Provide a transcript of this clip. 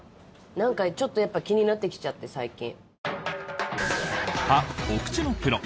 なんか、ちょっとやっぱり気になってきちゃって、最近。